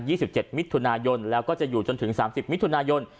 สิบเจ็ดมิถุนายนแล้วก็จะอยู่จนถึงสามสิบมิถุนายน